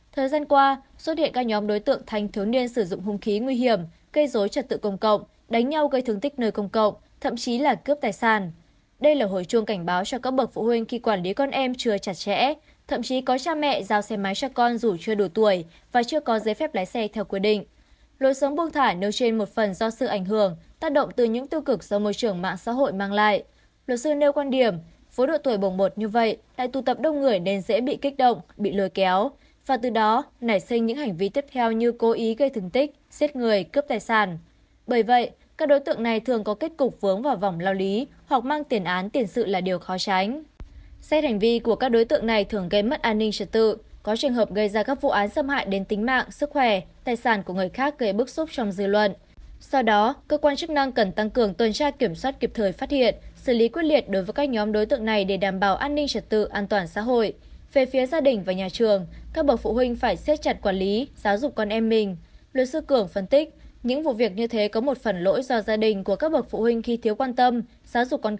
theo sư cường phân tích những vụ việc như thế có một phần lỗi do gia đình của các bậc phụ huynh khi thiếu quan tâm giáo dục con cái hoặc nương triều quá mức